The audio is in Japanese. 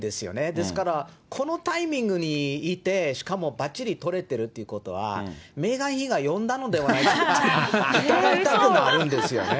ですから、このタイミングにいて、しかもばっちり撮れてるということは、メーガン妃が呼んだのではないかと疑いたくなるんですよね。